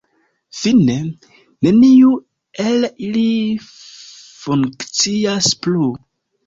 Fine, neniu el ili funkcias plu.